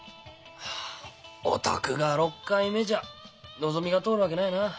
あお宅が６回目じゃのぞみが通るわけないなあ。